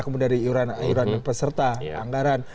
kemudian dari iuran peserta anggaran